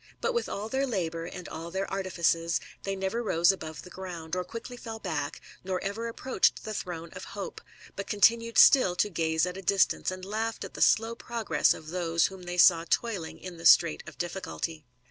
But with all their labour, and all their artifices, they never rose above the ground, or quickly fell back, nor ever approached the throne of Hope, but con tinued atill to gaze at a distance, and laughed at the slow prcigTCis of those whom they saw toiling in the Streighl of I H£ RAMBLER.